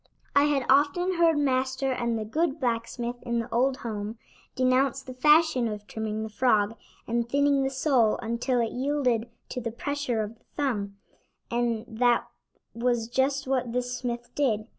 I had often heard Master and the good blacksmith in the old home denounce the fashion of trimming the frog and thinning the sole until it yielded to the pressure of the thumb, and that was just what this smith did.